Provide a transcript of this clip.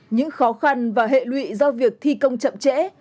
những khó khăn và hệ lụy do việc thi công chậm trễ